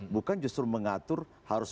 bukan justru mengatur harus